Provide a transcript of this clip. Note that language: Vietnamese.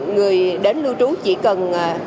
người đến lưu trú chỉ cần